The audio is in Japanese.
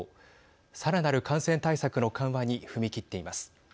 さらなる感染対策の緩和に踏み切っています。